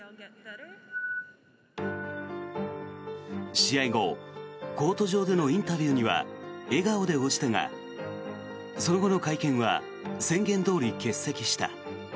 試合後コート上でのインタビューには笑顔で応じたがその後の会見は宣言どおり欠席した。